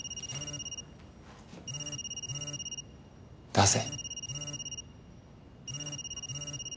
出せ。